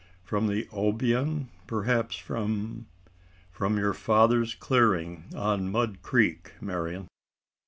"From the Obion? perhaps from " "From your father's clearing on Mud Creek, Marian."